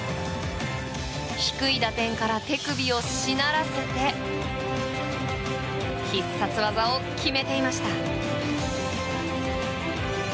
低い打点から手首をしならせて必殺技を決めていました。